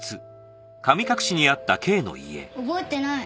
覚えてない。